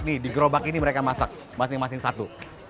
nih di gerobak ini mereka masak masing masing satu